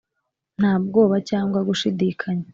nta bwoba cyangwa gushidikanya?